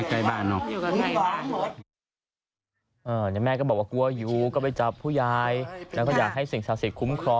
จะมีเหตุร้ายมาอยู่ที่บ้านมีกลัวอย่างนั้นไหม